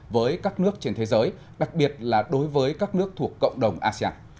với các nước trên thế giới đặc biệt là đối với các nước thuộc cộng đồng asean